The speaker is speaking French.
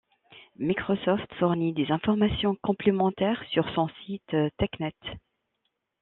Microsoft fournit des informations complémentaires sur son site Technet.